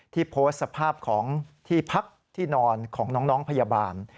โพสต์สภาพของที่พักที่นอนของน้องพยาบาล